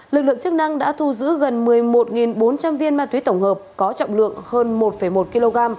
lực lượng chức năng đã thu giữ gần một mươi một bốn trăm linh viên ma túy tổng hợp có trọng lượng hơn một một kg